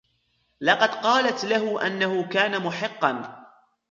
لقد قالت له أنه كان محقاً.